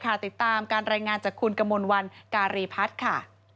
ติดตามการรายงานจากคุณกมลวันการีพัฒน์ค่ะ